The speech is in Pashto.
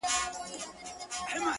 • د همدې په زور عالم راته غلام دی ,